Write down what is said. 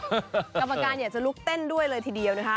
กรรมการอยากจะลุกเต้นด้วยเลยทีเดียวนะคะ